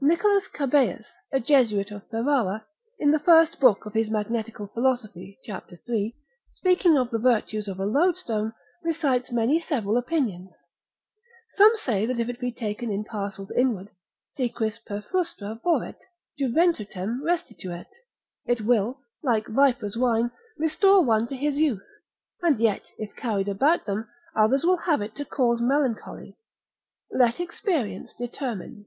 Nicholas Cabeus, a Jesuit of Ferrara, in the first book of his Magnetical Philosophy, cap. 3. speaking of the virtues of a loadstone, recites many several opinions; some say that if it be taken in parcels inward, si quis per frustra voret, juventutem restituet, it will, like viper's wine, restore one to his youth; and yet if carried about them, others will have it to cause melancholy; let experience determine.